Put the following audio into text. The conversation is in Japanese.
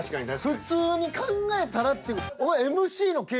普通に考えたらって。